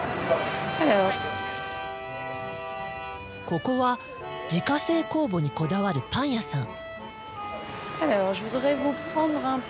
ここは自家製酵母にこだわるパン屋さん。